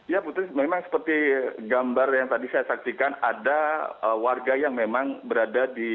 ya putri memang seperti gambar yang tadi saya saksikan ada warga yang memang berada di